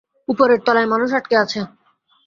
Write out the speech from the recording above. উপরের তলায় মানুষ আটকে আছে।